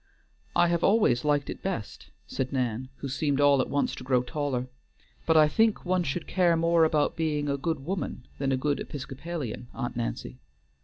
"I have always liked it best," said Nan, who seemed all at once to grow taller. "But I think one should care more about being a good woman than a good Episcopalian, Aunt Nancy."